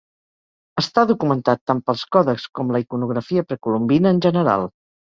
Està documentat tant pels còdexs com la iconografia precolombina en general.